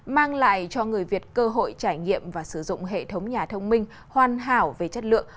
mang lại cho người việt cơ hội trải nghiệm và sử dụng hệ thống nhà thông minh hoàn hảo về chất lượng